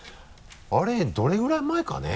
あれどれぐらい前かね？